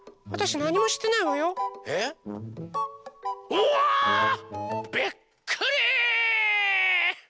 おわ！びっくり！